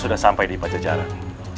kian santang kedatangan